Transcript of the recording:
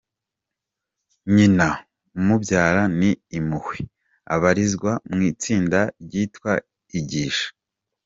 Nyina umubyara ni Impuhwe abarizwa mu itsinda ryitwa Igisha.